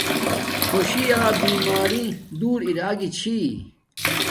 خوشی یا بیماری دور ارا گی چھی